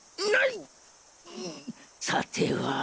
さては。